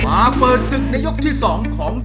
มาเปิดศึกในยกที่๒ของ